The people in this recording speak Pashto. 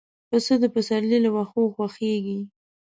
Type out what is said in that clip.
پسه د پسرلي له واښو خوښيږي.